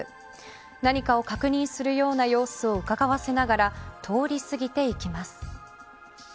何かを確認するような様子をうかがわせながら通り過ぎていきます。